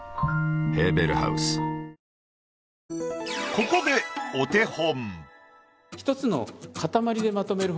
ここでお手本。